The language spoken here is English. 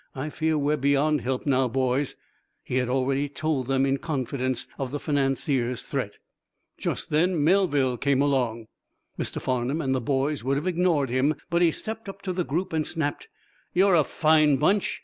"I fear we're beyond help now, boys." He had already told them in confidence of the financier's threat. Just then Melville came along. Mr. Farnum and the boys would have ignored him, but he stepped up to the group and snapped: "You're a fine bunch!